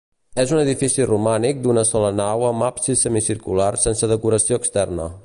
És un edifici romànic d'una sola nau amb absis semicircular sense decoració externa.